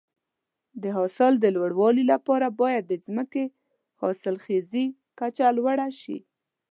د حاصل د لوړوالي لپاره باید د ځمکې حاصلخیزي کچه لوړه شي.